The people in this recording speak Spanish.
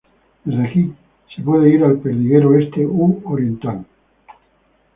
Desde aquí se puede ir al perdiguero Oeste u Oriental.